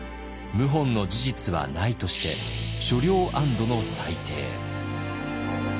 謀反の事実はないとして所領安堵の裁定。